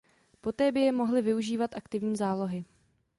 Poté by je mohly využívat aktivní zálohy.